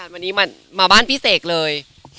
วันนี้มาบ้านพี่เสกเลย